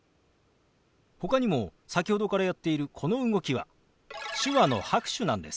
ほかにも先ほどからやっているこの動きは手話の拍手なんです。